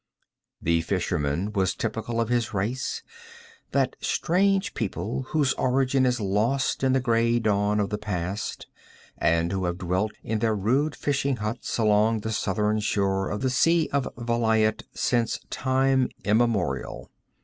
The fisherman was typical of his race, that strange people whose origin is lost in the gray dawn of the past, and who have dwelt in their rude fishing huts along the southern shore of the Sea of Vilayet since time immemorial.